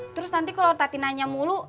terus nanti kalau tati nanya mulu